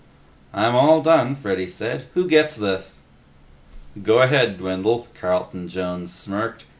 "I'm all done," Freddy said. "Who gets this?" "Go ahead, Dwindle," Carlton Jones smirked.